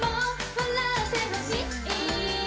笑ってほしい」